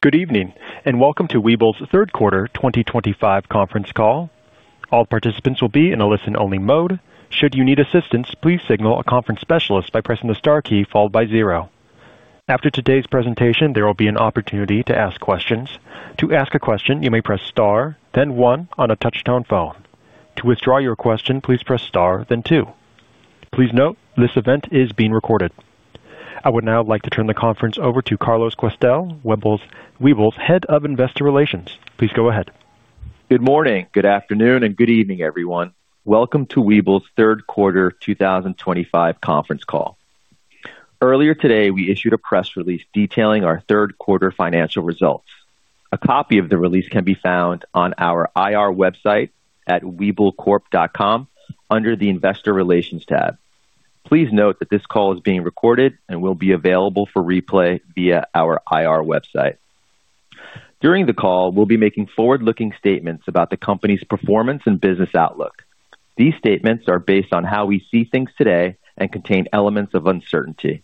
Good evening, and welcome to Webull's third quarter 2025 conference call. All participants will be in a listen-only mode. Should you need assistance, please signal a conference specialist by pressing the star key followed by zero. After today's presentation, there will be an opportunity to ask questions. To ask a question, you may press star, then one on a touch-tone phone. To withdraw your question, please press star, then two. Please note, this event is being recorded. I would now like to turn the conference over to Carlos Questell, Webull's Head of Investor Relations. Please go ahead. Good morning, good afternoon, and good evening, everyone. Welcome to Webull's third quarter 2025 conference call. Earlier today, we issued a press release detailing our third quarter financial results. A copy of the release can be found on our IR website at Webullcorp.com under the Investor Relations tab. Please note that this call is being recorded and will be available for replay via our IR website. During the call, we'll be making forward-looking statements about the company's performance and business outlook. These statements are based on how we see things today and contain elements of uncertainty.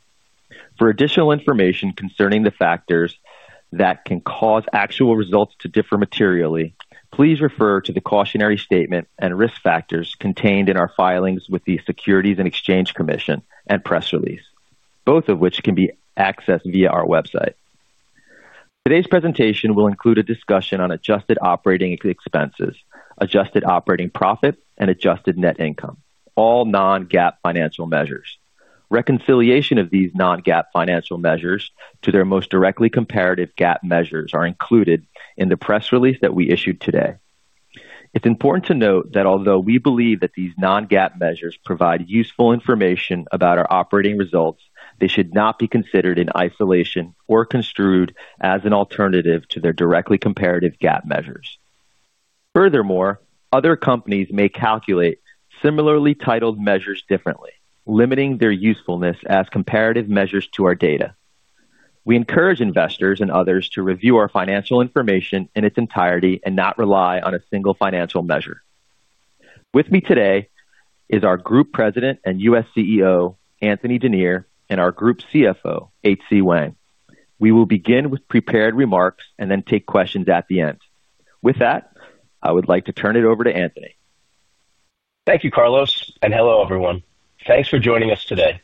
For additional information concerning the factors that can cause actual results to differ materially, please refer to the cautionary statement and risk factors contained in our filings with the Securities and Exchange Commission and press release, both of which can be accessed via our website. Today's presentation will include a discussion on adjusted operating expenses, adjusted operating profit, and adjusted net income, all non-GAAP financial measures. Reconciliation of these non-GAAP financial measures to their most directly comparative GAAP measures are included in the press release that we issued today. It's important to note that although we believe that these non-GAAP measures provide useful information about our operating results, they should not be considered in isolation or construed as an alternative to their directly comparative GAAP measures. Furthermore, other companies may calculate similarly titled measures differently, limiting their usefulness as comparative measures to our data. We encourage investors and others to review our financial information in its entirety and not rely on a single financial measure. With me today is our Group President and U.S. CEO, Anthony Denier, and our Group CFO, H. C. Wang. We will begin with prepared remarks and then take questions at the end. With that, I would like to turn it over to Anthony. Thank you, Carlos, and hello, everyone. Thanks for joining us today.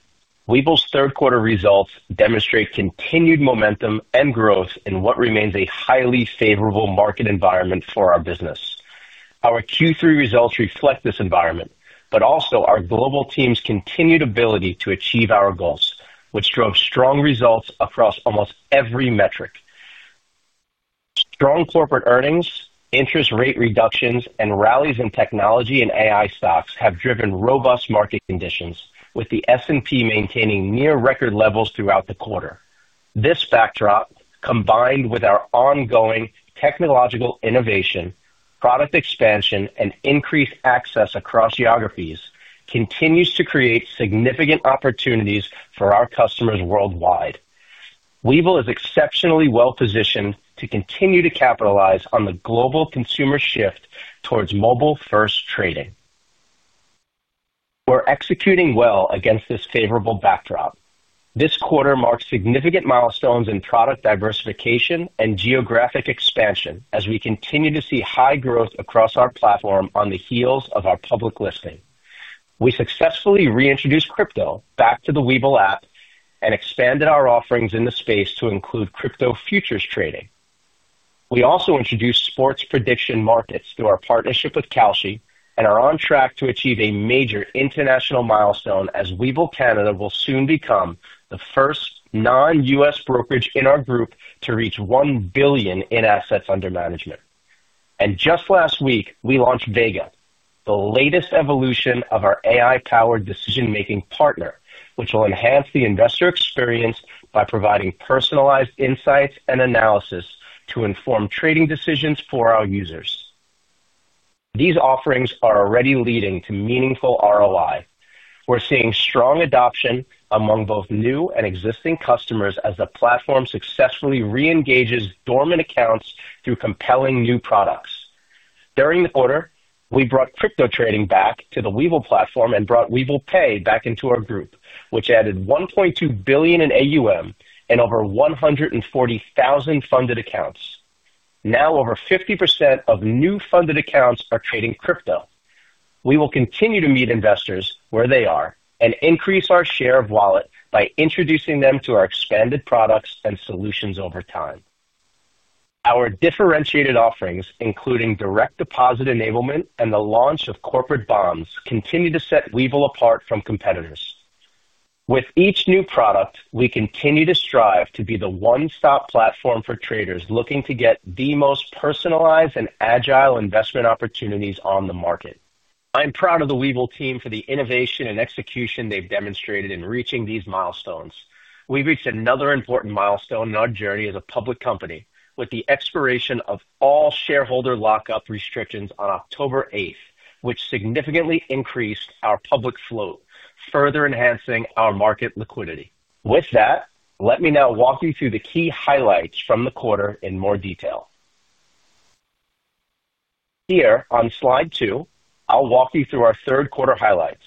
Webull's third quarter results demonstrate continued momentum and growth in what remains a highly favorable market environment for our business. Our Q3 results reflect this environment, but also our global team's continued ability to achieve our goals, which drove strong results across almost every metric. Strong corporate earnings, interest rate reductions, and rallies in technology and AI stocks have driven robust market conditions, with the S&P maintaining near-record levels throughout the quarter. This backdrop, combined with our ongoing technological innovation, product expansion, and increased access across geographies, continues to create significant opportunities for our customers worldwide. Webull is exceptionally well-positioned to continue to capitalize on the global consumer shift towards mobile-first trading. We're executing well against this favorable backdrop. This quarter marks significant milestones in product diversification and geographic expansion as we continue to see high growth across our platform on the heels of our public listing. We successfully reintroduced crypto back to the Webull app and expanded our offerings in the space to include crypto futures trading. We also introduced sports prediction markets through our partnership with Kalshi and are on track to achieve a major international milestone as Webull Canada will soon become the first non-U.S. brokerage in our group to reach $1 billion in assets under management. Just last week, we launched Vega, the latest evolution of our AI-powered decision-making partner, which will enhance the investor experience by providing personalized insights and analysis to inform trading decisions for our users. These offerings are already leading to meaningful ROI. We're seeing strong adoption among both new and existing customers as the platform successfully reengages dormant accounts through compelling new products. During the quarter, we brought crypto trading back to the Webull platform and brought Webull Pay back into our group, which added $1.2 billion in AUM and over 140,000 funded accounts. Now, over 50% of new funded accounts are trading crypto. We will continue to meet investors where they are and increase our share of wallet by introducing them to our expanded products and solutions over time. Our differentiated offerings, including direct deposit enablement and the launch of corporate bonds, continue to set Webull apart from competitors. With each new product, we continue to strive to be the one-stop platform for traders looking to get the most personalized and agile investment opportunities on the market. I'm proud of the Webull team for the innovation and execution they've demonstrated in reaching these milestones. We've reached another important milestone in our journey as a public company with the expiration of all shareholder lockup restrictions on October 8th, which significantly increased our public float, further enhancing our market liquidity. With that, let me now walk you through the key highlights from the quarter in more detail. Here, on slide two, I'll walk you through our third quarter highlights.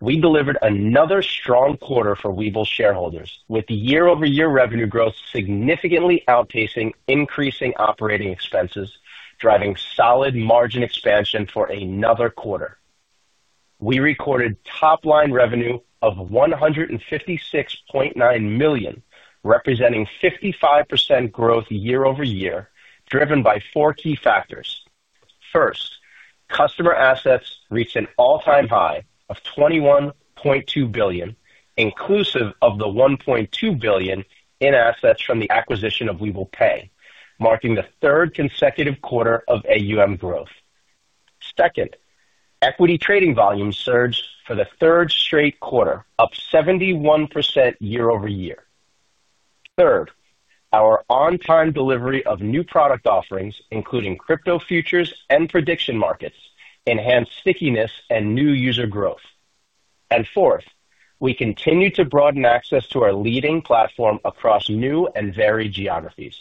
We delivered another strong quarter for Webull shareholders, with year-over-year revenue growth significantly outpacing increasing operating expenses, driving solid margin expansion for another quarter. We recorded top-line revenue of $156.9 million, representing 55% growth year-over-year, driven by four key factors. First, customer assets reached an all-time high of $21.2 billion, inclusive of the $1.2 billion in assets from the acquisition of Webull Pay, marking the third consecutive quarter of AUM growth. Second, equity trading volume surged for the third straight quarter, up 71% year-over-year. Third, our on-time delivery of new product offerings, including crypto futures and prediction markets, enhanced stickiness and new user growth. Fourth, we continue to broaden access to our leading platform across new and varied geographies.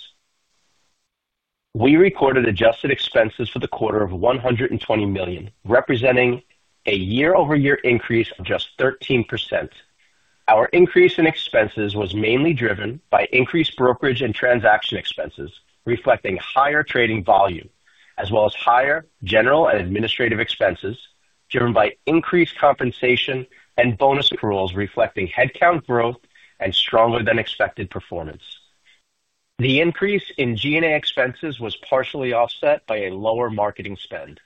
We recorded adjusted expenses for the quarter of $120 million, representing a year-over-year increase of just 13%. Our increase in expenses was mainly driven by increased brokerage and transaction expenses, reflecting higher trading volume, as well as higher general and administrative expenses driven by increased compensation and bonus pools, reflecting headcount growth and stronger-than-expected performance. The increase in G&A expenses was partially offset by a lower marketing spend.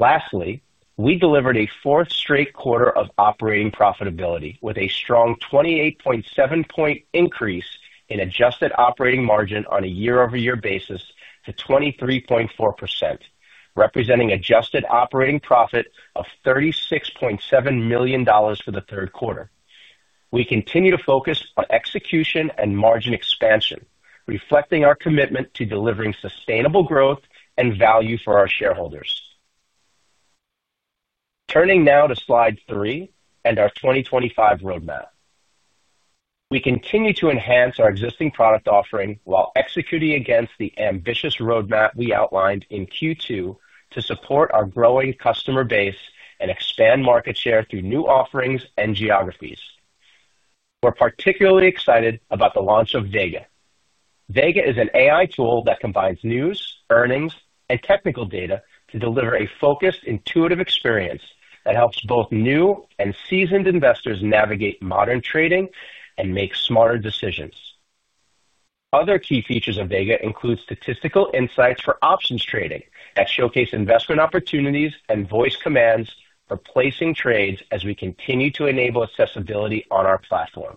Lastly, we delivered a fourth straight quarter of operating profitability, with a strong 28.7 point increase in adjusted operating margin on a year-over-year basis to 23.4%, representing adjusted operating profit of $36.7 million for the third quarter. We continue to focus on execution and margin expansion, reflecting our commitment to delivering sustainable growth and value for our shareholders. Turning now to slide three and our 2025 roadmap. We continue to enhance our existing product offering while executing against the ambitious roadmap we outlined in Q2 to support our growing customer base and expand market share through new offerings and geographies. We're particularly excited about the launch of Vega. Vega is an AI tool that combines news, earnings, and technical data to deliver a focused, intuitive experience that helps both new and seasoned investors navigate modern trading and make smarter decisions. Other key features of Vega include statistical insights for options trading that showcase investment opportunities and voice commands for placing trades as we continue to enable accessibility on our platform.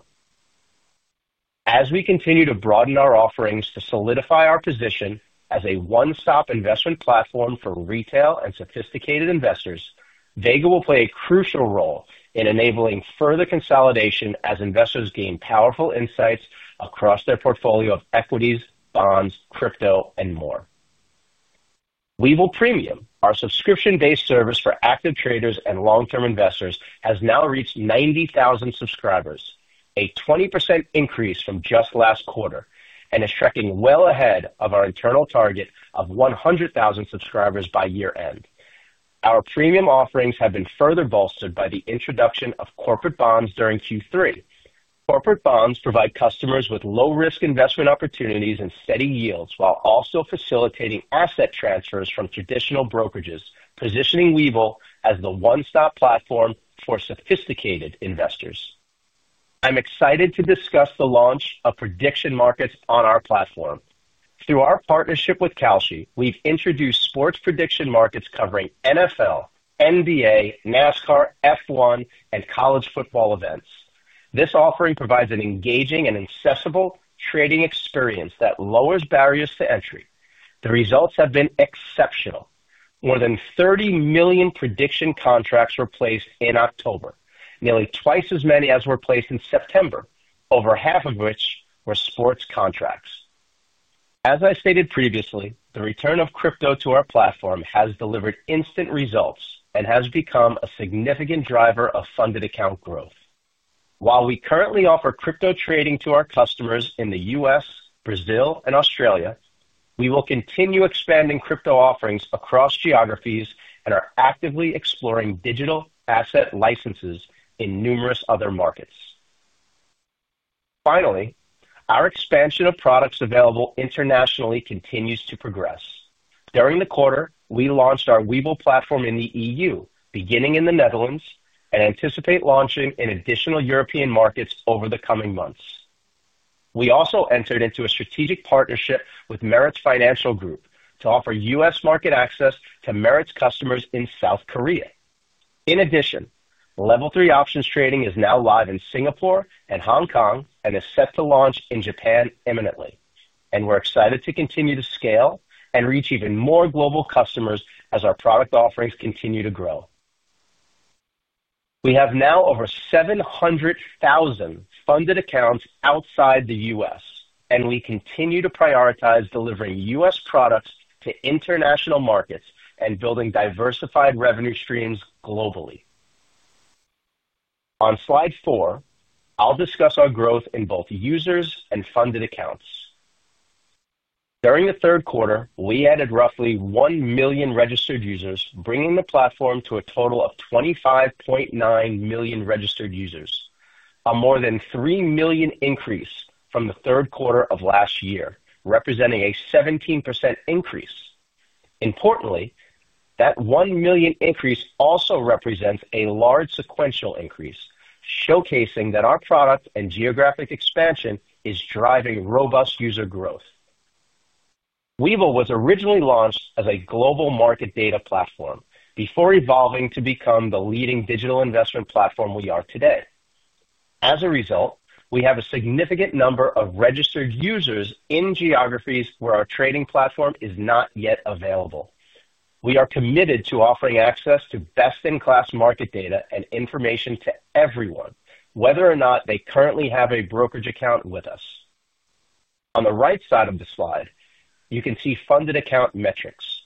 As we continue to broaden our offerings to solidify our position as a one-stop investment platform for retail and sophisticated investors, Vega will play a crucial role in enabling further consolidation as investors gain powerful insights across their portfolio of equities, bonds, crypto, and more. Webull Premium, our subscription-based service for active traders and long-term investors, has now reached 90,000 subscribers, a 20% increase from just last quarter, and is tracking well ahead of our internal target of 100,000 subscribers by year-end. Our premium offerings have been further bolstered by the introduction of corporate bonds during Q3. Corporate bonds provide customers with low-risk investment opportunities and steady yields while also facilitating asset transfers from traditional brokerages, positioning Webull as the one-stop platform for sophisticated investors. I'm excited to discuss the launch of prediction markets on our platform. Through our partnership with Kalshi, we've introduced sports prediction markets covering NFL, NBA, NASCAR, F1, and college football events. This offering provides an engaging and accessible trading experience that lowers barriers to entry. The results have been exceptional. More than 30 million prediction contracts were placed in October, nearly twice as many as were placed in September, over half of which were sports contracts. As I stated previously, the return of crypto to our platform has delivered instant results and has become a significant driver of funded account growth. While we currently offer crypto trading to our customers in the U.S., Brazil, and Australia, we will continue expanding crypto offerings across geographies and are actively exploring digital asset licenses in numerous other markets. Finally, our expansion of products available internationally continues to progress. During the quarter, we launched our Webull platform in the E.U., beginning in the Netherlands, and anticipate launching in additional European markets over the coming months. We also entered into a strategic partnership with Meritz Financial Group to offer U.S. market access to Meritz customers in South Korea. In addition, Level 3 options trading is now live in Singapore and Hong Kong and is set to launch in Japan imminently. We are excited to continue to scale and reach even more global customers as our product offerings continue to grow. We have now over 700,000 funded accounts outside the U.S., and we continue to prioritize delivering U.S. products to international markets and building diversified revenue streams globally. On slide four, I'll discuss our growth in both users and funded accounts. During the third quarter, we added roughly 1 million registered users, bringing the platform to a total of 25.9 million registered users, a more than 3 million increase from the third quarter of last year, representing a 17% increase. Importantly, that 1 million increase also represents a large sequential increase, showcasing that our product and geographic expansion is driving robust user growth. Webull was originally launched as a global market data platform before evolving to become the leading digital investment platform we are today. As a result, we have a significant number of registered users in geographies where our trading platform is not yet available. We are committed to offering access to best-in-class market data and information to everyone, whether or not they currently have a brokerage account with us. On the right side of the slide, you can see funded account metrics.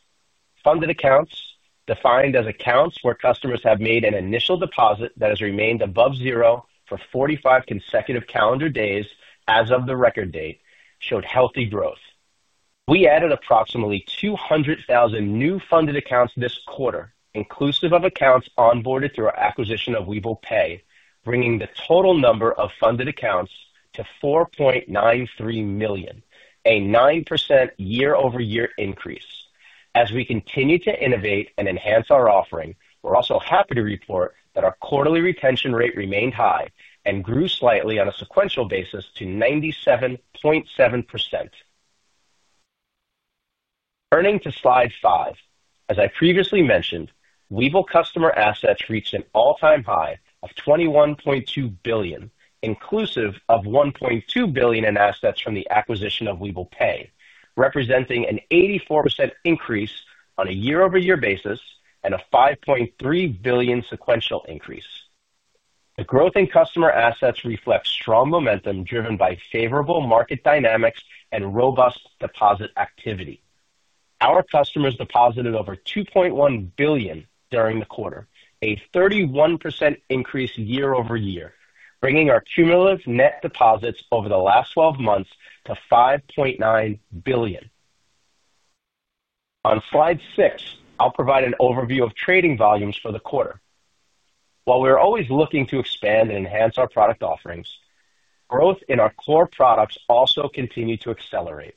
Funded accounts, defined as accounts where customers have made an initial deposit that has remained above zero for 45 consecutive calendar days as of the record date, showed healthy growth. We added approximately 200,000 new funded accounts this quarter, inclusive of accounts onboarded through our acquisition of Webull Pay, bringing the total number of funded accounts to 4.93 million, a 9% year-over-year increase. As we continue to innovate and enhance our offering, we're also happy to report that our quarterly retention rate remained high and grew slightly on a sequential basis to 97.7%. Turning to slide five, as I previously mentioned, Webull customer assets reached an all-time high of $21.2 billion, inclusive of $1.2 billion in assets from the acquisition of Webull Pay, representing an 84% increase on a year-over-year basis and a $5.3 billion sequential increase. The growth in customer assets reflects strong momentum driven by favorable market dynamics and robust deposit activity. Our customers deposited over $2.1 billion during the quarter, a 31% increase year-over-year, bringing our cumulative net deposits over the last 12 months to $5.9 billion. On slide six, I'll provide an overview of trading volumes for the quarter. While we're always looking to expand and enhance our product offerings, growth in our core products also continued to accelerate.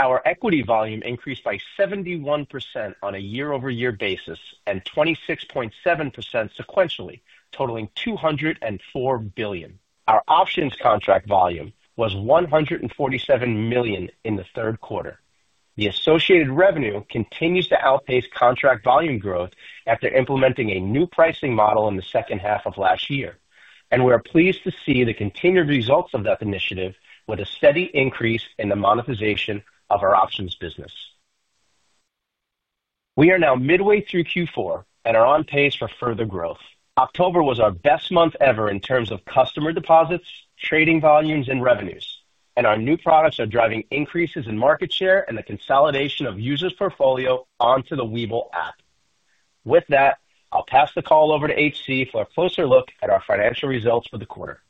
Our equity volume increased by 71% on a year-over-year basis and 26.7% sequentially, totaling $204 billion. Our options contract volume was 147 million in the third quarter. The associated revenue continues to outpace contract volume growth after implementing a new pricing model in the second half of last year. We are pleased to see the continued results of that initiative with a steady increase in the monetization of our options business. We are now midway through Q4 and are on pace for further growth. October was our best month ever in terms of customer deposits, trading volumes, and revenues. Our new products are driving increases in market share and the consolidation of users' portfolio onto the Webull app. With that, I'll pass the call over to H.C. for a closer look at our financial results for the quarter.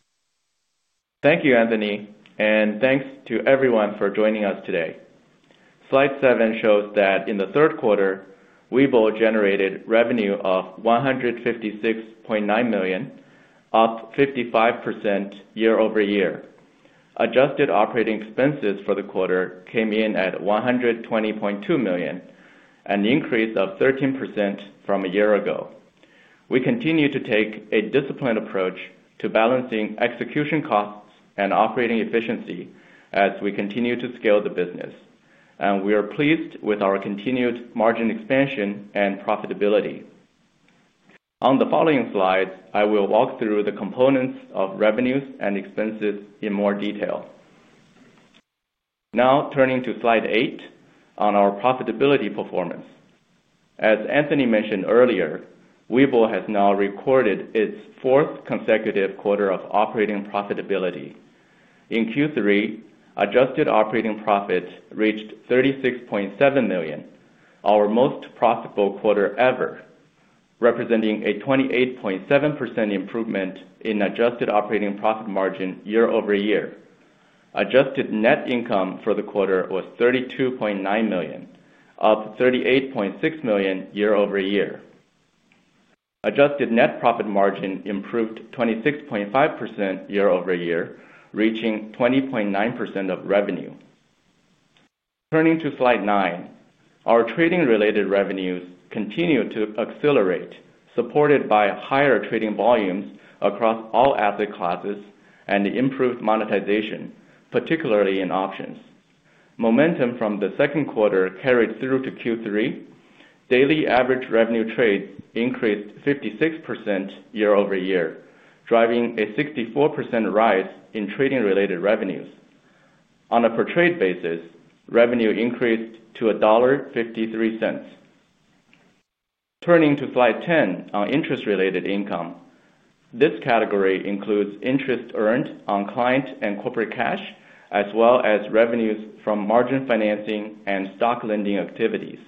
Thank you, Anthony. Thanks to everyone for joining us today. Slide seven shows that in the third quarter, Webull generated revenue of $156.9 million, up 55% year-over-year. Adjusted operating expenses for the quarter came in at $120.2 million, an increase of 13% from a year ago. We continue to take a disciplined approach to balancing execution costs and operating efficiency as we continue to scale the business. We are pleased with our continued margin expansion and profitability. On the following slides, I will walk through the components of revenues and expenses in more detail. Now, turning to slide eight on our profitability performance. As Anthony mentioned earlier, Webull has now recorded its fourth consecutive quarter of operating profitability. In Q3, adjusted operating profit reached $36.7 million, our most profitable quarter ever, representing a 28.7% improvement in adjusted operating profit margin year-over-year. Adjusted net income for the quarter was $32.9 million, up $38.6 million year-over-year. Adjusted net profit margin improved 26.5% year-over-year, reaching 20.9% of revenue. Turning to slide nine, our trading-related revenues continue to accelerate, supported by higher trading volumes across all asset classes and improved monetization, particularly in options. Momentum from the second quarter carried through to Q3. Daily average revenue trades increased 56% year-over-year, driving a 64% rise in trading-related revenues. On a per-trade basis, revenue increased to $1.53. Turning to slide 10 on interest-related income, this category includes interest earned on client and corporate cash, as well as revenues from margin financing and stock lending activities.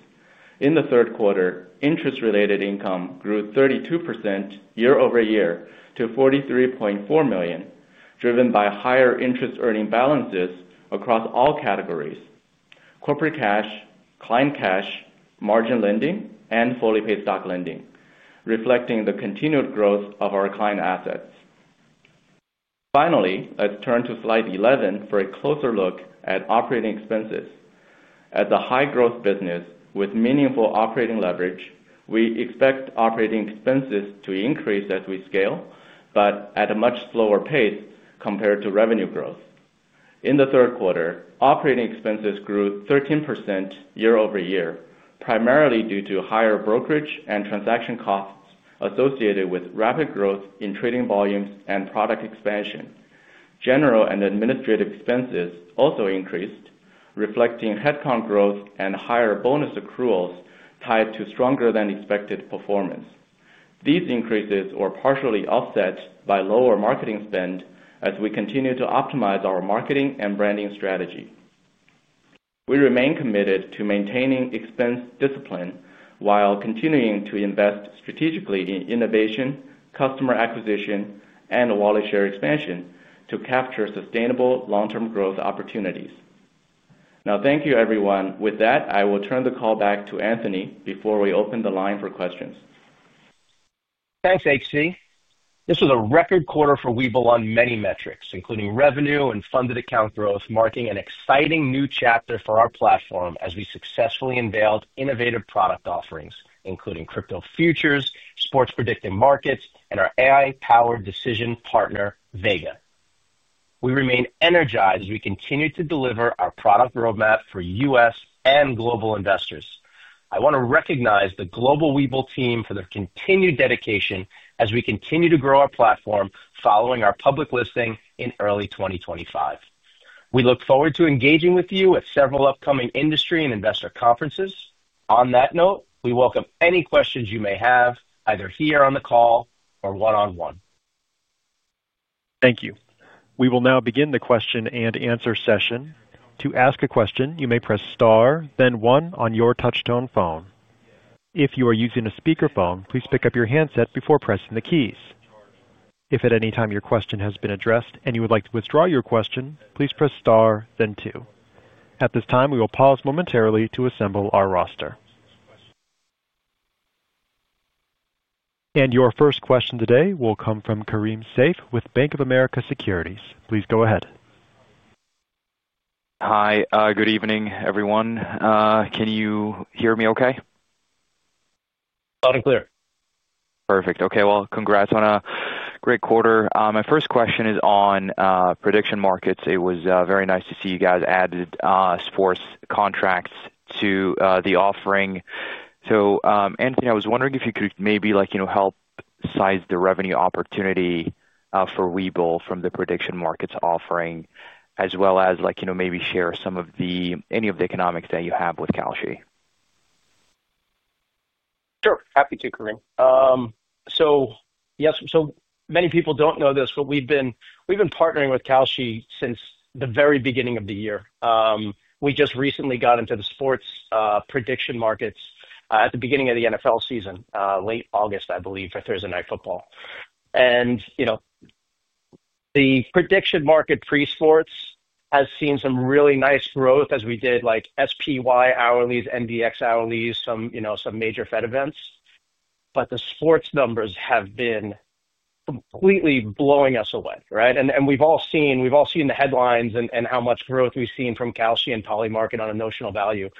In the third quarter, interest-related income grew 32% year-over-year to $43.4 million, driven by higher interest-earning balances across all categories: corporate cash, client cash, margin lending, and fully-paid stock lending, reflecting the continued growth of our client assets. Finally, let's turn to slide 11 for a closer look at operating expenses. As a high-growth business with meaningful operating leverage, we expect operating expenses to increase as we scale, but at a much slower pace compared to revenue growth. In the third quarter, operating expenses grew 13% year-over-year, primarily due to higher brokerage and transaction costs associated with rapid growth in trading volumes and product expansion. General and administrative expenses also increased, reflecting headcount growth and higher bonus accruals tied to stronger-than-expected performance. These increases were partially offset by lower marketing spend as we continue to optimize our marketing and branding strategy. We remain committed to maintaining expense discipline while continuing to invest strategically in innovation, customer acquisition, and wallet share expansion to capture sustainable long-term growth opportunities. Now, thank you, everyone. With that, I will turn the call back to Anthony before we open the line for questions. Thanks, H.C. This was a record quarter for Webull on many metrics, including revenue and funded account growth, marking an exciting new chapter for our platform as we successfully unveiled innovative product offerings, including crypto futures, sports prediction markets, and our AI-powered decision partner, Vega. We remain energized as we continue to deliver our product roadmap for U.S. and global investors. I want to recognize the global Webull team for their continued dedication as we continue to grow our platform following our public listing in early 2025. We look forward to engaging with you at several upcoming industry and investor conferences. On that note, we welcome any questions you may have, either here on the call or one-on-one. Thank you. We will now begin the question and answer session. To ask a question, you may press star, then one on your touch-tone phone. If you are using a speakerphone, please pick up your handset before pressing the keys. If at any time your question has been addressed and you would like to withdraw your question, please press star, then two. At this time, we will pause momentarily to assemble our roster. Your first question today will come from Kareem Seif with Bank of America Securities. Please go ahead. Hi, good evening, everyone. Can you hear me okay? Loud and clear. Perfect. Okay. Congrats on a great quarter. My first question is on prediction markets. It was very nice to see you guys added sports contracts to the offering. Anthony, I was wondering if you could maybe help size the revenue opportunity for Webull from the prediction markets offering, as well as maybe share some of any of the economics that you have with Kalshi. Sure. Happy to, Kareem. Many people do not know this, but we have been partnering with Kalshi since the very beginning of the year. We just recently got into the sports prediction markets at the beginning of the NFL season, late August, I believe, for Thursday Night Football. The prediction market pre-sports has seen some really nice growth as we did SPY hourlies, NBX hourlies, some major Fed events. The sports numbers have been completely blowing us away, right? We have all seen the headlines and how much growth we have seen from Kalshi and Polymarket on a notional value.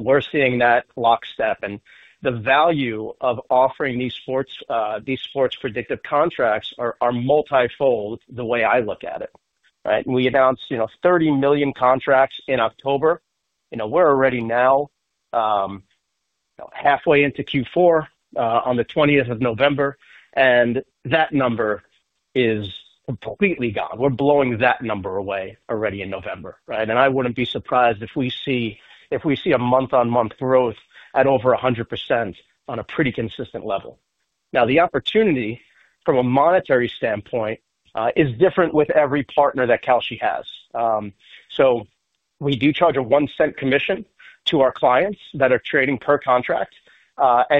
We are seeing that lockstep. The value of offering these sports predictive contracts is multifold the way I look at it, right? We announced 30 million contracts in October. We are already now halfway into Q4 on the 20th of November. That number is completely gone. We're blowing that number away already in November, right? I wouldn't be surprised if we see a month-on-month growth at over 100% on a pretty consistent level. Now, the opportunity from a monetary standpoint is different with every partner that Kalshi has. We do charge a one-cent commission to our clients that are trading per contract.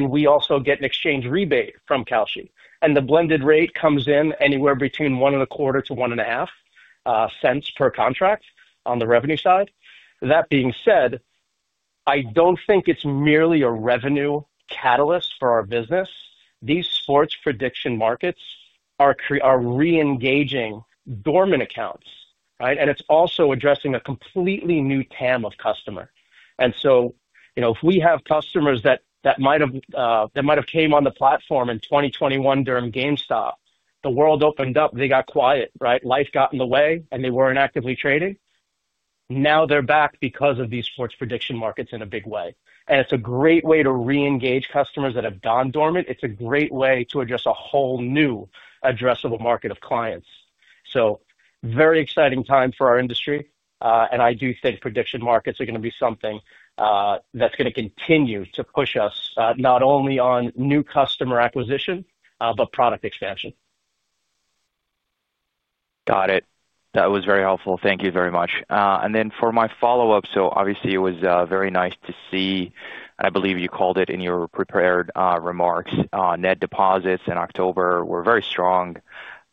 We also get an exchange rebate from Kalshi. The blended rate comes in anywhere between $0.0125 to $0.015 per contract on the revenue side. That being said, I don't think it's merely a revenue catalyst for our business. These sports prediction markets are re-engaging dormant accounts, right? It's also addressing a completely new TAM of customer. If we have customers that might have came on the platform in 2021 during GameStop, the world opened up, they got quiet, right? Life got in the way, and they were not actively trading. Now they are back because of these sports prediction markets in a big way. It is a great way to re-engage customers that have gone dormant. It is a great way to address a whole new addressable market of clients. Very exciting time for our industry. I do think prediction markets are going to be something that is going to continue to push us not only on new customer acquisition, but product expansion. Got it. That was very helpful. Thank you very much. For my follow-up, obviously, it was very nice to see, and I believe you called it in your prepared remarks, net deposits in October were very strong.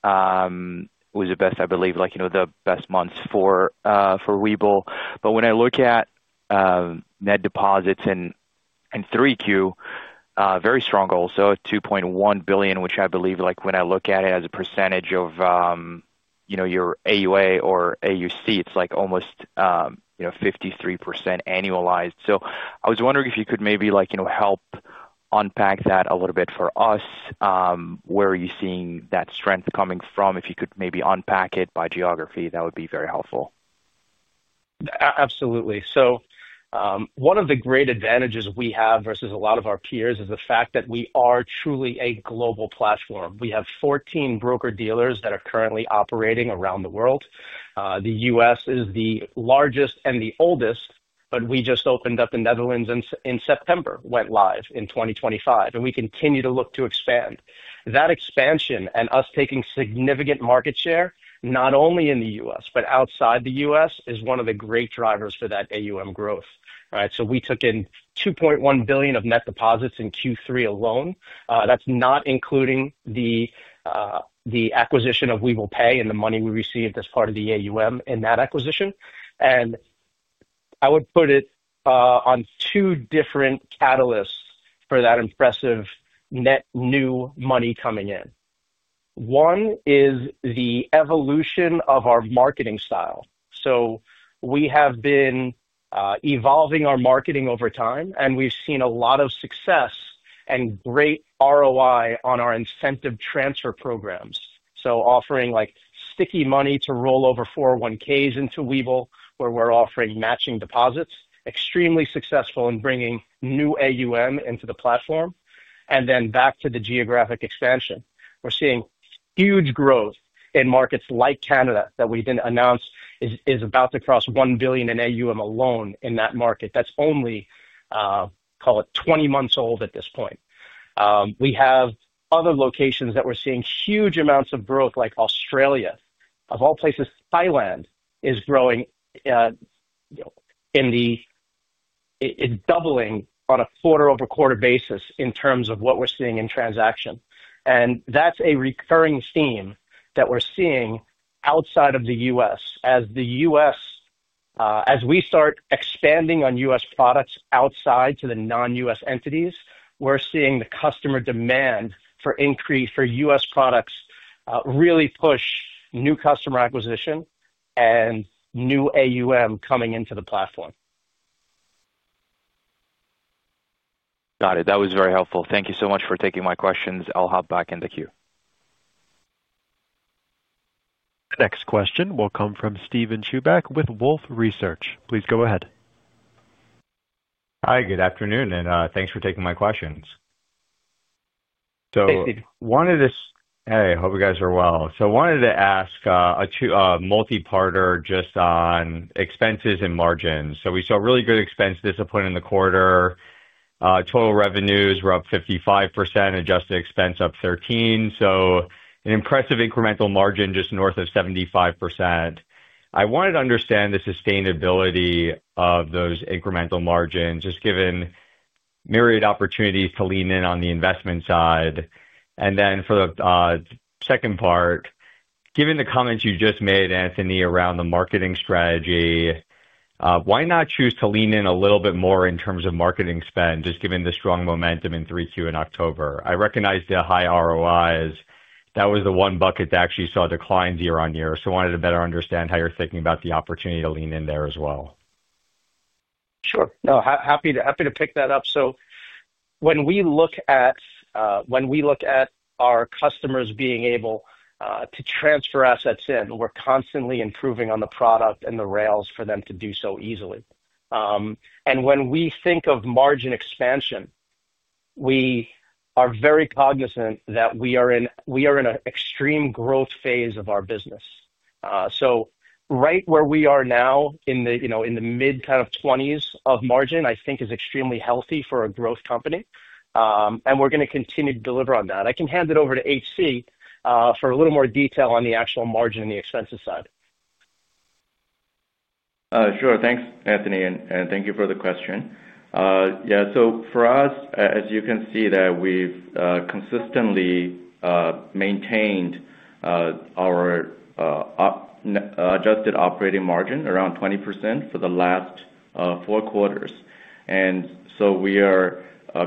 It was the best, I believe, the best months for Webull. When I look at net deposits in 3Q, very strong also, $2.1 billion, which I believe, when I look at it as a percentage of your AUA or AUC, it's almost 53% annualized. I was wondering if you could maybe help unpack that a little bit for us. Where are you seeing that strength coming from? If you could maybe unpack it by geography, that would be very helpful. Absolutely. One of the great advantages we have versus a lot of our peers is the fact that we are truly a global platform. We have 14 broker-dealers that are currently operating around the world. The U.S. is the largest and the oldest, but we just opened up the Netherlands in September, went live in 2025, and we continue to look to expand. That expansion and us taking significant market share, not only in the U.S., but outside the U.S., is one of the great drivers for that AUM growth, right? We took in $2.1 billion of net deposits in Q3 alone. That is not including the acquisition of Webull Pay and the money we received as part of the AUM in that acquisition. I would put it on two different catalysts for that impressive net new money coming in. One is the evolution of our marketing style. We have been evolving our marketing over time, and we have seen a lot of success and great ROI on our incentive transfer programs. Offering sticky money to roll over 401(k)s into Webull, where we are offering matching deposits, is extremely successful in bringing new AUM into the platform, and then back to the geographic expansion. We're seeing huge growth in markets like Canada that we didn't announce is about to cross $1 billion in AUM alone in that market. That's only, call it, 20 months old at this point. We have other locations that we're seeing huge amounts of growth, like Australia. Of all places, Thailand is growing in the doubling on a quarter-over-quarter basis in terms of what we're seeing in transaction. That's a recurring theme that we're seeing outside of the U.S. As we start expanding on U.S. products outside to the non-U.S. entities, we're seeing the customer demand for U.S. products really push new customer acquisition and new AUM coming into the platform. Got it. That was very helpful. Thank you so much for taking my questions. I'll hop back into queue. Next question will come from Steven Schubak with Wolfe Research. Please go ahead. Hi, good afternoon, and thanks for taking my questions. I hope you guys are well. I wanted to ask a multi-partner just on expenses and margins. We saw really good expense discipline in the quarter. Total revenues were up 55%, adjusted expense up 13%. An impressive incremental margin just north of 75%. I wanted to understand the sustainability of those incremental margins, just given myriad opportunities to lean in on the investment side. For the second part, given the comments you just made, Anthony, around the marketing strategy, why not choose to lean in a little bit more in terms of marketing spend, just given the strong momentum in 3Q in October? I recognize the high ROIs. That was the one bucket that actually saw declines year on year. I wanted to better understand how you're thinking about the opportunity to lean in there as well. Sure. No, happy to pick that up. When we look at our customers being able to transfer assets in, we're constantly improving on the product and the rails for them to do so easily. When we think of margin expansion, we are very cognizant that we are in an extreme growth phase of our business. Right where we are now in the mid 20s of margin, I think, is extremely healthy for a growth company. We're going to continue to deliver on that. I can hand it over to H.C. for a little more detail on the actual margin and the expensive side. Sure. Thanks, Anthony, and thank you for the question. Yeah. For us, as you can see, we've consistently maintained our adjusted operating margin around 20% for the last four quarters. We are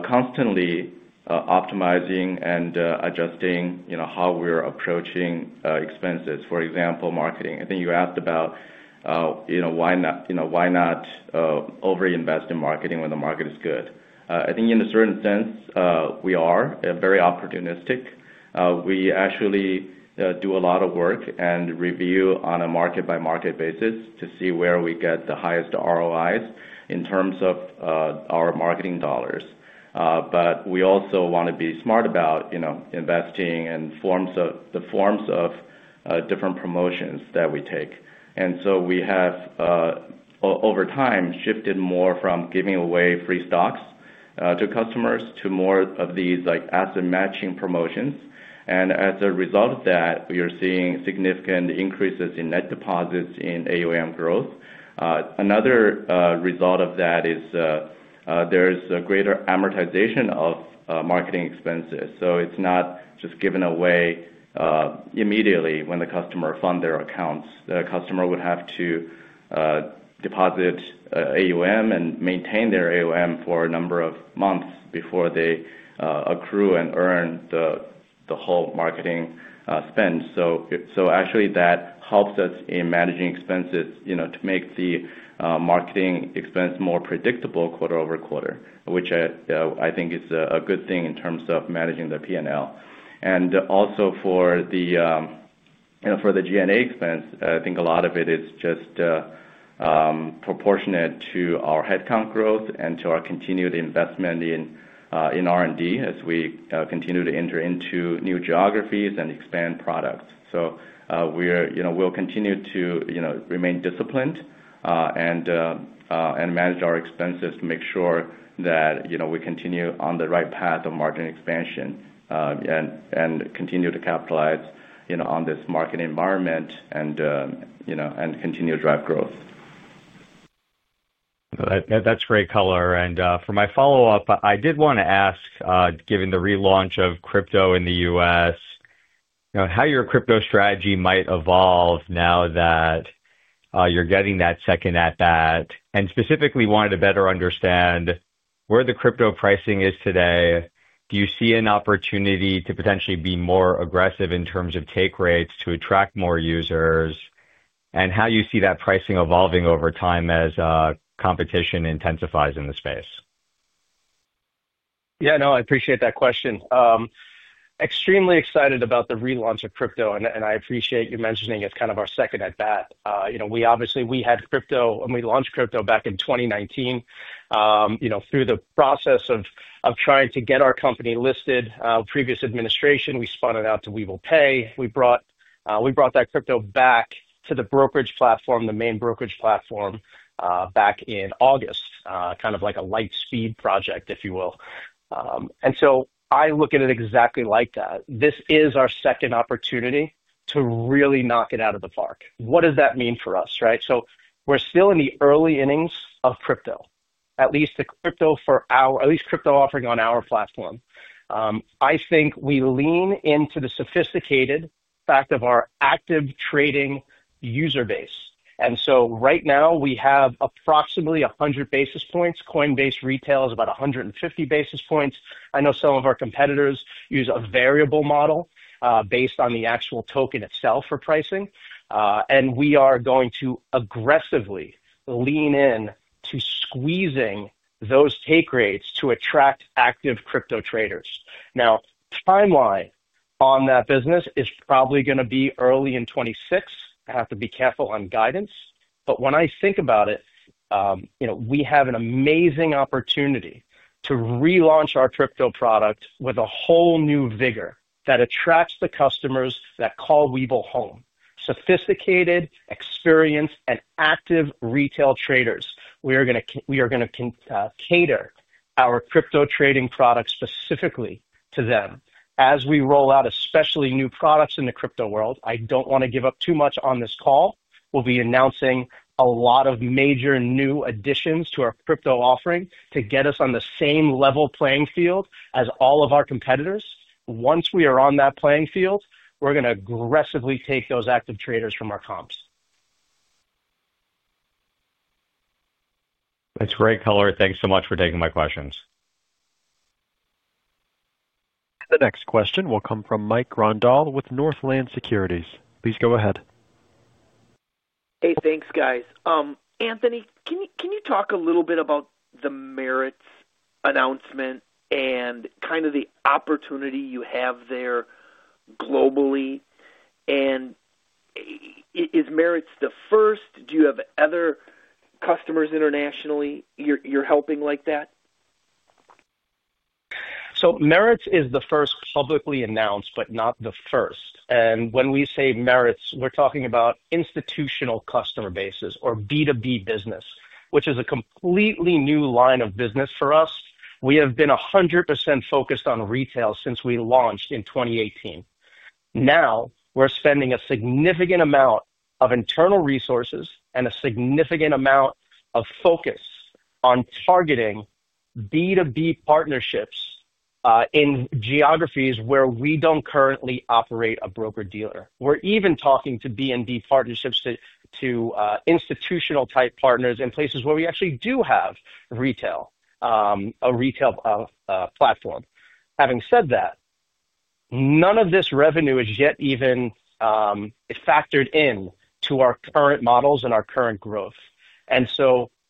constantly optimizing and adjusting how we're approaching expenses. For example, marketing. I think you asked about why not over-invest in marketing when the market is good. I think in a certain sense, we are very opportunistic. We actually do a lot of work and review on a market-by-market basis to see where we get the highest ROIs in terms of our marketing dollars. We also want to be smart about investing in the forms of different promotions that we take. We have, over time, shifted more from giving away free stocks to customers to more of these asset matching promotions. As a result of that, we are seeing significant increases in net deposits in AUM growth. Another result of that is there's a greater amortization of marketing expenses. It's not just given away immediately when the customer funds their accounts. The customer would have to deposit AUM and maintain their AUM for a number of months before they accrue and earn the whole marketing spend. Actually, that helps us in managing expenses to make the marketing expense more predictable quarter over quarter, which I think is a good thing in terms of managing the P&L. Also for the G&A expense, I think a lot of it is just proportionate to our headcount growth and to our continued investment in R&D as we continue to enter into new geographies and expand products. We'll continue to remain disciplined and manage our expenses to make sure that we continue on the right path of margin expansion and continue to capitalize on this market environment and continue to drive growth. That's great color. For my follow-up, I did want to ask, given the relaunch of crypto in the U.S., how your crypto strategy might evolve now that you're getting that second at that? Specifically, wanted to better understand where the crypto pricing is today. Do you see an opportunity to potentially be more aggressive in terms of take rates to attract more users? How do you see that pricing evolving over time as competition intensifies in the space? Yeah. No, I appreciate that question. Extremely excited about the relaunch of crypto. I appreciate you mentioning it's kind of our second at that. Obviously, we had crypto, and we launched crypto back in 2019 through the process of trying to get our company listed. Previous administration, we spun it out to Webull Pay. We brought that crypto back to the brokerage platform, the main brokerage platform, back in August, kind of like a light speed project, if you will. I look at it exactly like that. This is our second opportunity to really knock it out of the park. What does that mean for us, right? We are still in the early innings of crypto, at least the crypto for our at least crypto offering on our platform. I think we lean into the sophisticated fact of our active trading user base. Right now, we have approximately 100 basis points. Coinbase retail is about 150 basis points. I know some of our competitors use a variable model based on the actual token itself for pricing. We are going to aggressively lean in to squeezing those take rates to attract active crypto traders. Now, timeline on that business is probably going to be early in 2026. I have to be careful on guidance. When I think about it, we have an amazing opportunity to relaunch our crypto product with a whole new vigor that attracts the customers that call Webull home. Sophisticated, experienced, and active retail traders, we are going to cater our crypto trading product specifically to them. As we roll out especially new products in the crypto world, I do not want to give up too much on this call. We'll be announcing a lot of major new additions to our crypto offering to get us on the same level playing field as all of our competitors. Once we are on that playing field, we're going to aggressively take those active traders from our comps. That's great color. Thanks so much for taking my questions. The next question will come from Mike Grondahl with Northland Securities. Please go ahead. Hey, thanks, guys. Anthony, can you talk a little bit about the Meritz announcement and kind of the opportunity you have there globally? Is Meritz the first? Do you have other customers internationally you're helping like that? Meritz is the first publicly announced, but not the first. When we say Meritz, we're talking about institutional customer bases or B2B business, which is a completely new line of business for us. We have been 100% focused on retail since we launched in 2018. Now, we're spending a significant amount of internal resources and a significant amount of focus on targeting B2B partnerships in geographies where we do not currently operate a broker-dealer. We're even talking to B&B partnerships, to institutional-type partners in places where we actually do have retail, a retail platform. Having said that, none of this revenue has yet even factored into our current models and our current growth.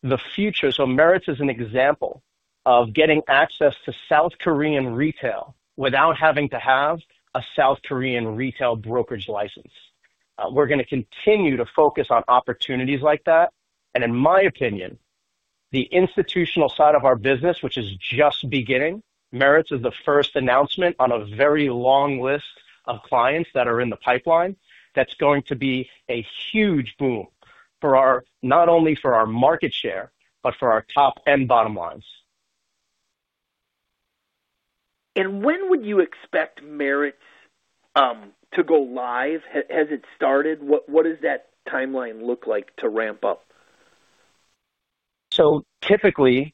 The future, Meritz is an example of getting access to South Korean retail without having to have a South Korean retail brokerage license. We're going to continue to focus on opportunities like that. In my opinion, the institutional side of our business, which is just beginning, Meritz is the first announcement on a very long list of clients that are in the pipeline that's going to be a huge boom for not only our market share, but for our top and bottom lines. When would you expect Meritz to go live? Has it started? What does that timeline look like to ramp up? Typically,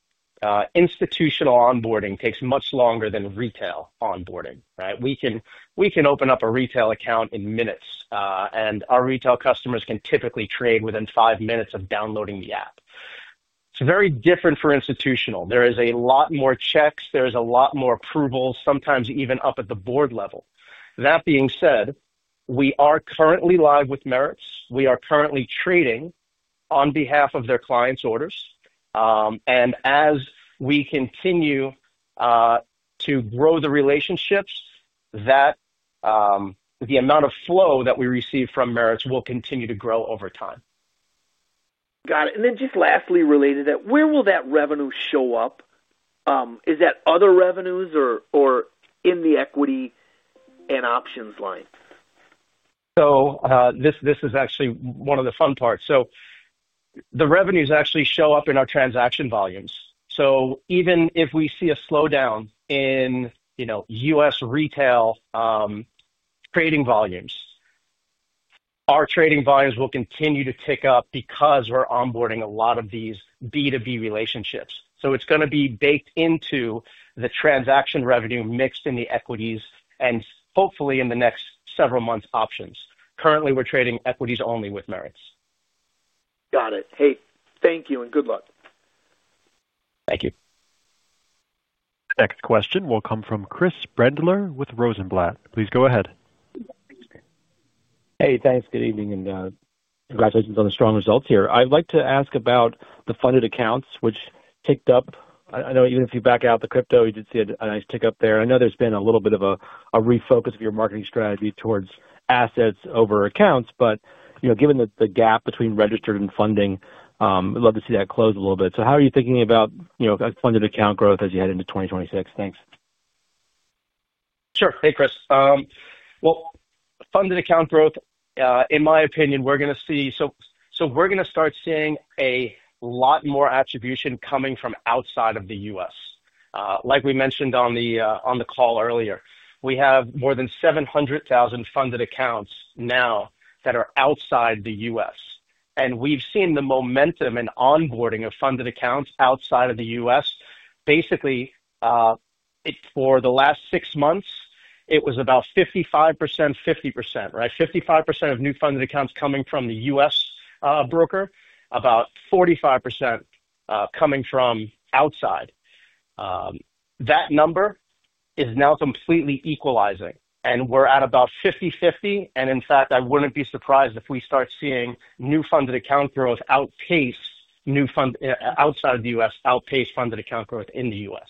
institutional onboarding takes much longer than retail onboarding, right? We can open up a retail account in minutes, and our retail customers can typically trade within five minutes of downloading the app. It's very different for institutional. There is a lot more checks. There is a lot more approvals, sometimes even up at the board level. That being said, we are currently live with Meritz. We are currently trading on behalf of their clients' orders. As we continue to grow the relationships, the amount of flow that we receive from Meritz will continue to grow over time. Got it. Lastly, related to that, where will that revenue show up? Is that other revenues or in the equity and options line? This is actually one of the fun parts. The revenues actually show up in our transaction volumes. Even if we see a slowdown in U.S. retail trading volumes, our trading volumes will continue to tick up because we're onboarding a lot of these B2B relationships. It's going to be baked into the transaction revenue mixed in the equities and hopefully in the next several months' options. Currently, we're trading equities only with Meritz. Got it. Hey, thank you and good luck. Thank you. Next question will come from Chris Brendler with Rosenblatt. Please go ahead. Hey, thanks. Good evening and congratulations on the strong results here. I'd like to ask about the funded accounts, which ticked up. I know even if you back out the crypto, you did see a nice tick up there. I know there's been a little bit of a refocus of your marketing strategy towards assets over accounts. Given the gap between registered and funding, I'd love to see that close a little bit. How are you thinking about funded account growth as you head into 2026? Thanks. Sure. Hey, Chris. Funded account growth, in my opinion, we're going to see, we're going to start seeing a lot more attribution coming from outside of the U.S. Like we mentioned on the call earlier, we have more than 700,000 funded accounts now that are outside the U.S. We have seen the momentum and onboarding of funded accounts outside of the U.S. Basically, for the last six months, it was about 55%, 50%, right? 55% of new funded accounts coming from the U.S. broker, about 45% coming from outside. That number is now completely equalizing. We are at about 50/50. In fact, I would not be surprised if we start seeing new funded account growth outside of the U.S. outpace funded account growth in the U.S.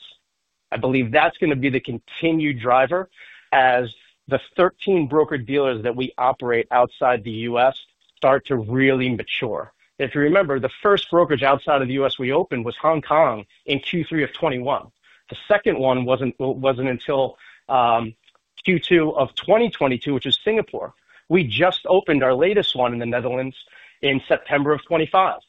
I believe that is going to be the continued driver as the 13 broker-dealers that we operate outside the U.S. start to really mature. If you remember, the first brokerage outside of the U.S. we opened was Hong Kong in Q3 of 2021. The second one was not until Q2 of 2022, which is Singapore. We just opened our latest one in the Netherlands in September of 2025.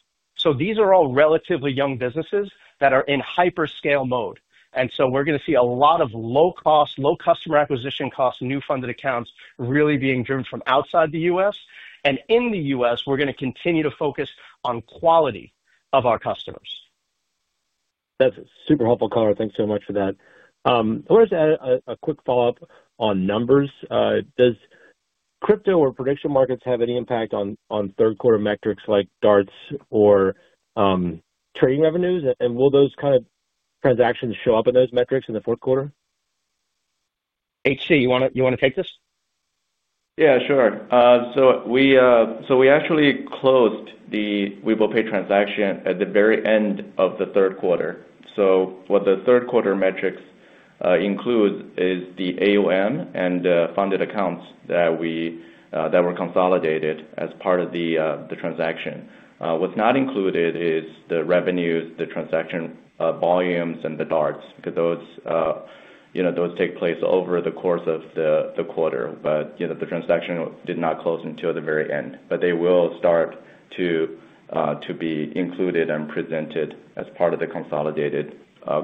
These are all relatively young businesses that are in hyperscale mode. We are going to see a lot of low-cost, low-customer acquisition costs, new funded accounts really being driven from outside the U.S. In the U.S., we are going to continue to focus on quality of our customers. That is super helpful. Thanks so much for that. I wanted to add a quick follow-up on numbers. Does crypto or prediction markets have any impact on third-quarter metrics like DARTs or trading revenues? Will those kind of transactions show up in those metrics in the fourth quarter? H.C., you want to take this? Yeah, sure. We actually closed the Webull Pay transaction at the very end of the third quarter. What the third-quarter metrics include is the AUM and funded accounts that were consolidated as part of the transaction. What's not included is the revenues, the transaction volumes, and the DARTs, because those take place over the course of the quarter. The transaction did not close until the very end. They will start to be included and presented as part of the consolidated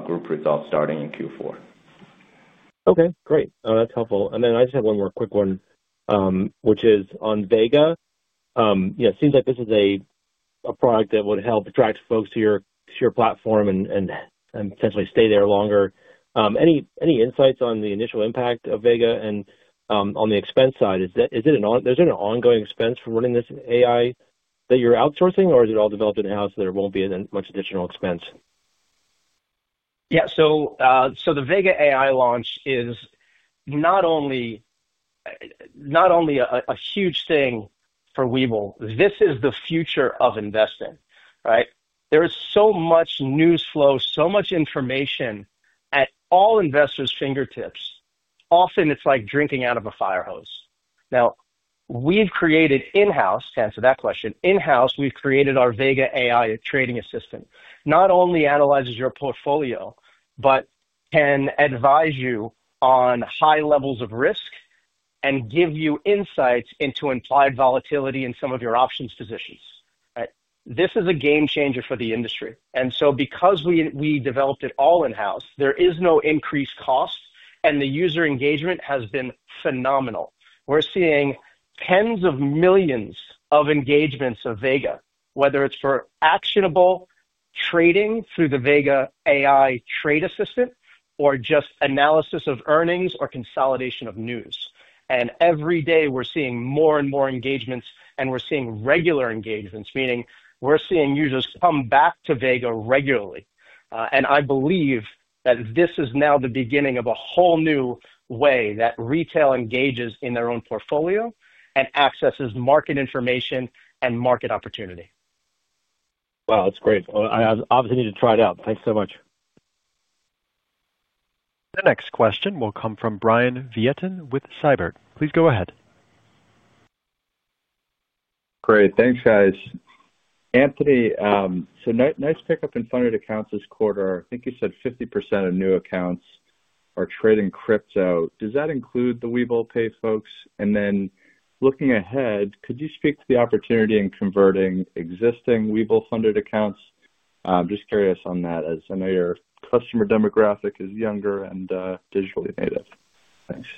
group results starting in Q4. Okay. Great. That's helpful. I just have one more quick one, which is on Vega. It seems like this is a product that would help attract folks to your platform and essentially stay there longer. Any insights on the initial impact of Vega and on the expense side? Is there an ongoing expense for running this AI that you're outsourcing, or is it all developed in-house so there won't be as much additional expense? Yeah. The Vega AI launch is not only a huge thing for Webull. This is the future of investing, right? There is so much news flow, so much information at all investors' fingertips. Often, it's like drinking out of a fire hose. Now, we've created in-house, to answer that question, in-house, we've created our Vega AI trading assistant. Not only analyzes your portfolio, but can advise you on high levels of risk and give you insights into implied volatility in some of your options positions. This is a game changer for the industry. Because we developed it all in-house, there is no increased cost, and the user engagement has been phenomenal. We're seeing tens of millions of engagements of Vega, whether it's for actionable trading through the Vega AI trade assistant or just analysis of earnings or consolidation of news. Every day, we're seeing more and more engagements, and we're seeing regular engagements, meaning we're seeing users come back to Vega regularly. I believe that this is now the beginning of a whole new way that retail engages in their own portfolio and accesses market information and market opportunity. Wow, that's great. I obviously need to try it out. Thanks so much. The next question will come from Brian Vieten with Siebert. Please go ahead. Great. Thanks, guys. Anthony, so nice pickup in funded accounts this quarter. I think you said 50% of new accounts are trading crypto. Does that include the Webull Pay folks? Looking ahead, could you speak to the opportunity in converting existing Webull funded accounts? Just curious on that, as I know your customer demographic is younger and digitally native. Thanks.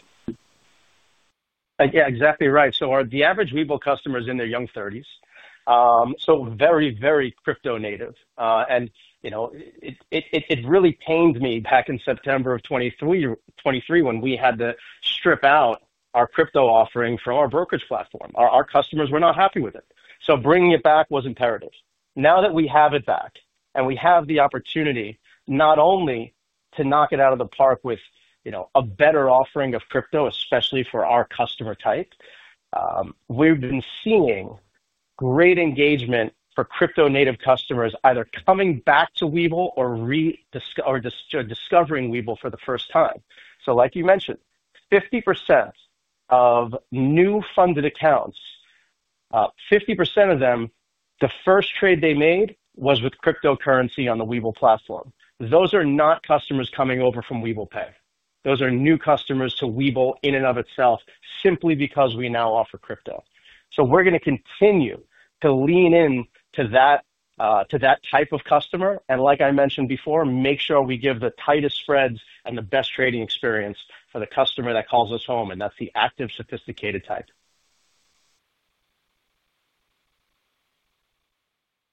Yeah, exactly right. The average Webull customer is in their young 30s, so very, very crypto native. It really pained me back in September of 2023 when we had to strip out our crypto offering from our brokerage platform. Our customers were not happy with it. Bringing it back was imperative. Now that we have it back and we have the opportunity not only to knock it out of the park with a better offering of crypto, especially for our customer type, we've been seeing great engagement for crypto-native customers either coming back to Webull or discovering Webull for the first time. Like you mentioned, 50% of new funded accounts, 50% of them, the first trade they made was with cryptocurrency on the Webull platform. Those are not customers coming over from Webull Pay. Those are new customers to Webull in and of itself, simply because we now offer crypto. We are going to continue to lean into that type of customer. Like I mentioned before, make sure we give the tightest spreads and the best trading experience for the customer that calls us home. That is the active, sophisticated type.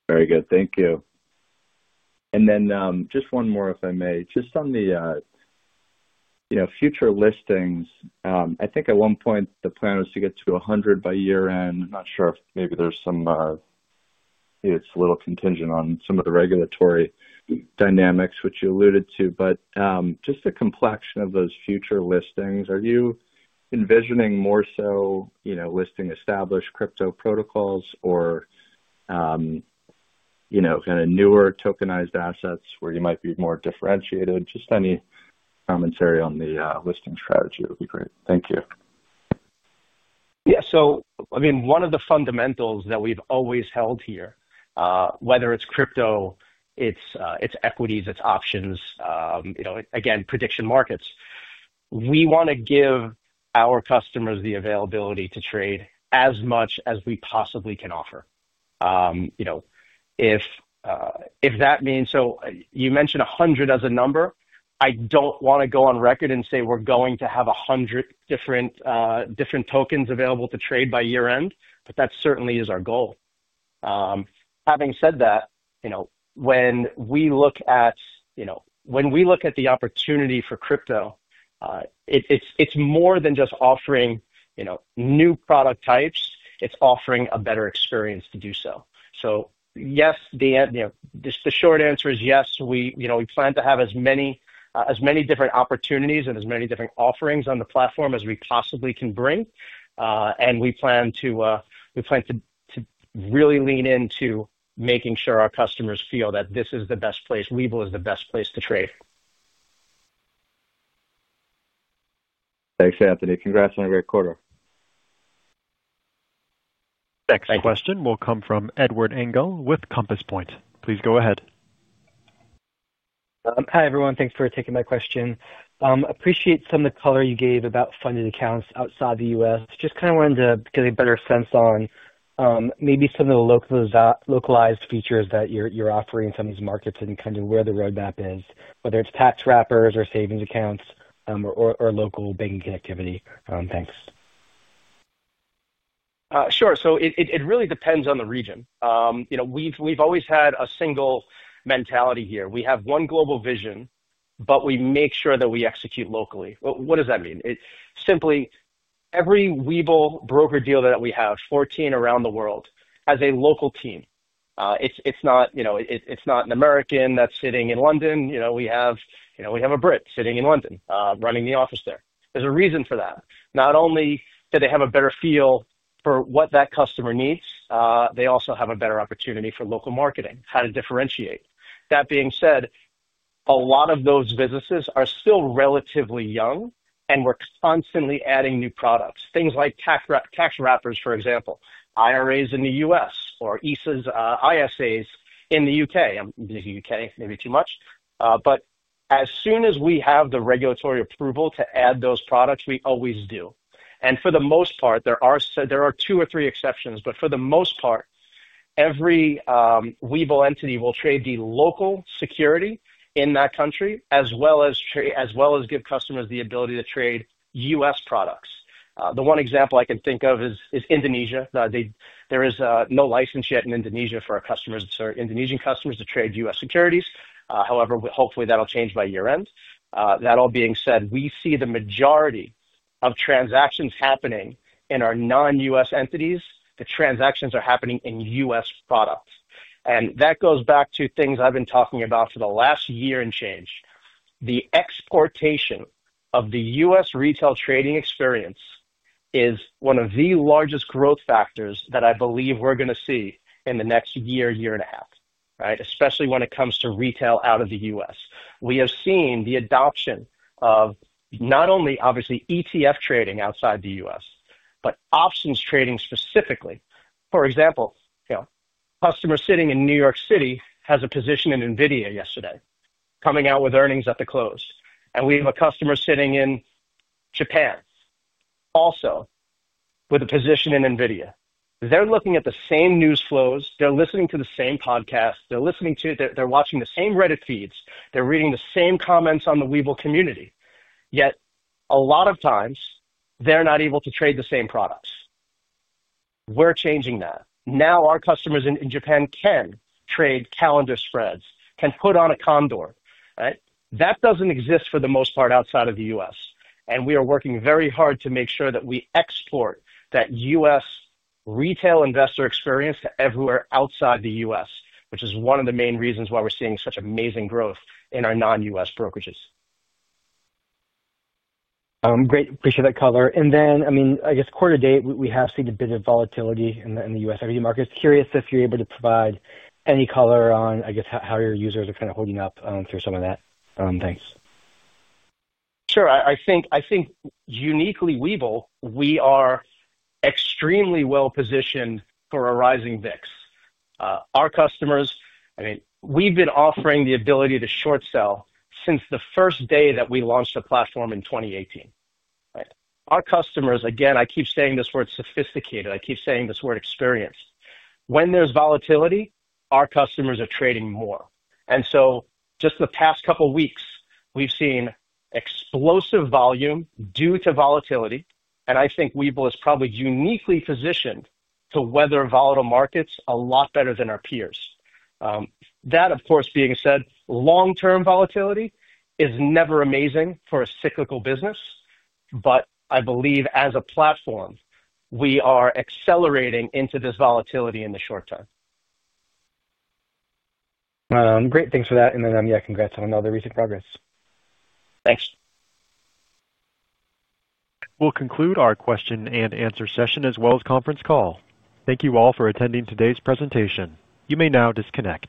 Very good. Thank you. Just one more, if I may, just on the future listings. I think at one point, the plan was to get to 100 by year-end. I am not sure if maybe there is some—it is a little contingent on some of the regulatory dynamics, which you alluded to. Just the complexion of those future listings, are you envisioning more so listing established crypto protocols or kind of newer tokenized assets where you might be more differentiated? Just any commentary on the listing strategy would be great. Thank you. Yeah. I mean, one of the fundamentals that we've always held here, whether it's crypto, it's equities, it's options, again, prediction markets, we want to give our customers the availability to trade as much as we possibly can offer. If that means—you mentioned 100 as a number. I don't want to go on record and say we're going to have 100 different tokens available to trade by year-end, but that certainly is our goal. Having said that, when we look at the opportunity for crypto, it's more than just offering new product types. It's offering a better experience to do so. Yes, the short answer is yes. We plan to have as many different opportunities and as many different offerings on the platform as we possibly can bring. We plan to really lean into making sure our customers feel that this is the best place. Webull is the best place to trade. Thanks, Anthony. Congrats on a great quarter. Thanks. Question will come from Edward Engel with Compass Point. Please go ahead. Hi, everyone. Thanks for taking my question. Appreciate some of the color you gave about funded accounts outside the U.S. Just kind of wanted to get a better sense on maybe some of the localized features that you're offering in some of these markets and kind of where the roadmap is, whether it's tax wrappers or savings accounts or local banking connectivity. Thanks. Sure. It really depends on the region. We've always had a single mentality here. We have one global vision, but we make sure that we execute locally. What does that mean? Simply, every Webull broker-dealer that we have, 14 around the world, has a local team. It's not an American that's sitting in London. We have a Brit sitting in London running the office there. There's a reason for that. Not only do they have a better feel for what that customer needs, they also have a better opportunity for local marketing, how to differentiate. That being said, a lot of those businesses are still relatively young, and we're constantly adding new products, things like tax wrappers, for example, IRAs in the U.S. or ISAs in the U.K. I'm using U.K., maybe too much. As soon as we have the regulatory approval to add those products, we always do. For the most part, there are two or three exceptions. For the most part, every Webull entity will trade the local security in that country as well as give customers the ability to trade U.S. products. The one example I can think of is Indonesia. There is no license yet in Indonesia for our customers to trade U.S. securities. However, hopefully, that'll change by year-end. That all being said, we see the majority of transactions happening in our non-U.S. entities. The transactions are happening in U.S. products. That goes back to things I've been talking about for the last year and change. The exportation of the U.S. retail trading experience is one of the largest growth factors that I believe we're going to see in the next year, year and a half, especially when it comes to retail out of the U.S. We have seen the adoption of not only, obviously, ETF trading outside the U.S., but options trading specifically. For example, a customer sitting in New York City has a position in NVIDIA yesterday, coming out with earnings at the close. We have a customer sitting in Japan also with a position in NVIDIA. They're looking at the same news flows. They're listening to the same podcast. They're watching the same Reddit feeds. They're reading the same comments on the Webull community. Yet a lot of times, they're not able to trade the same products. We're changing that. Now our customers in Japan can trade calendar spreads, can put on a condor. That doesn't exist for the most part outside of the U.S. We are working very hard to make sure that we export that U.S. Retail investor experience to everywhere outside the U.S., which is one of the main reasons why we're seeing such amazing growth in our non-U.S. brokerages. Great. Appreciate that color. I mean, I guess quarter date, we have seen a bit of volatility in the U.S. equity markets. Curious if you're able to provide any color on, I guess, how your users are kind of holding up through some of that. Thanks. Sure. I think uniquely Webull, we are extremely well-positioned for a rising VIX. Our customers, I mean, we've been offering the ability to short sell since the first day that we launched the platform in 2018. Our customers, again, I keep saying this word sophisticated. I keep saying this word experienced. When there's volatility, our customers are trading more. Just the past couple of weeks, we've seen explosive volume due to volatility. I think Webull is probably uniquely positioned to weather volatile markets a lot better than our peers. That, of course, being said, long-term volatility is never amazing for a cyclical business. I believe as a platform, we are accelerating into this volatility in the short term. Great. Thanks for that. Yeah, congrats on all the recent progress. Thanks. We'll conclude our question and answer session as well as conference call. Thank you all for attending today's presentation. You may now disconnect.